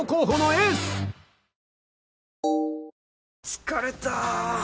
疲れた！